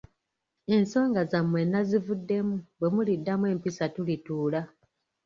Ensonga zammwe nazivuddemu bwe muliddamu empisa tulituula.